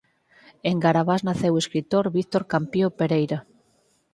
En Garabás naceu o escritor Víctor Campio Pereira.